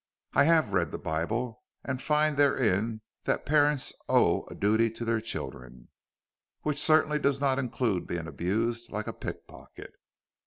I have read the Bible, and find therein that parents owe a duty to their children, which certainly does not include being abused like a pick pocket.